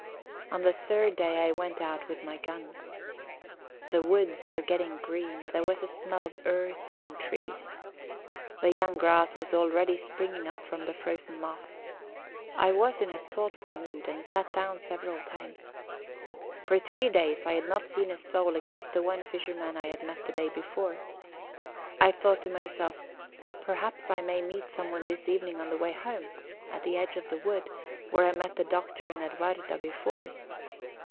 On the third day I went out with my gun. The woods were getting green; there was a smell of earth and trees. The young grass was already springing up from the frozen moss. I was in a thoughtful mood, and sat down several times. For three days I had not seen a soul except the one fisherman I had met the day before. I thought to myself, "Perhaps I may meet someone this evening on the way home, at the edge of the wood, where I met the Doctor and Edwarda before.